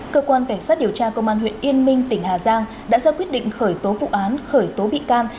cơ quan cảnh sát điều tra công an huyện yên minh tỉnh hà giang đã ra quyết định khởi tố vụ án khởi tố bị can